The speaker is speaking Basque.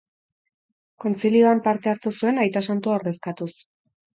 Kontzilioan parte hartu zuen, aita santua ordezkatuz.